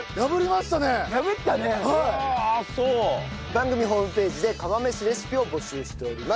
番組ホームページで釜飯レシピを募集しております。